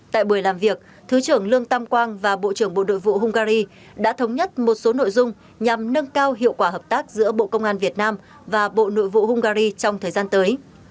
tại buổi làm việc thứ trưởng lương tam quang và bộ trưởng bộ nội vụ hungary đã thống nhất một số nội dung nhằm nâng cao hiệu quả hợp tác giữa bộ công an việt nam và bộ nội vụ hungary trong thời gian tới